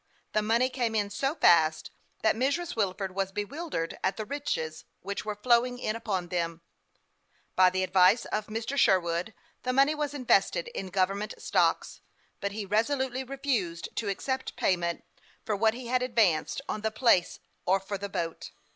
The money came in so fast that Mrs. Wilford was bewil dered at the riches which were flowing in upon them. By the advice of Mr. Sherwood the money was invested in government stocks ; but he resolutely THE YOUNG PILOT OF LA.KE CHAMTLAIX. 305 refused to accept payment for what he had advanced on the place or for the boat.